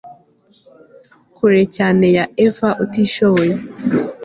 kure cyane ya eva utishoboye